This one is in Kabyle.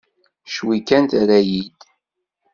Cwi kan terra-yi-d.